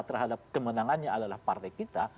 terhadap kemenangannya adalah partai kita